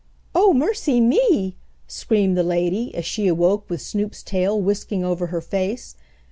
"Oh, mercy me!" screamed the lady, as she awoke with Snoop's tail whisking over her face.